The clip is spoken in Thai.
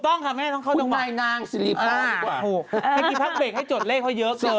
เมื่อกี้พักเบรกให้จดเลขเค้าเยอะเกิน